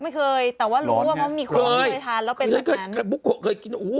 ไม่เคยแต่ว่ารู้ว่ามันมีของที่จะทานแล้วเป็นลักษณะ